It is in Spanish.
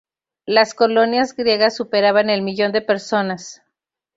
Las colonias griegas superaban el millón de personas.